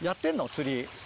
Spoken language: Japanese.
釣り。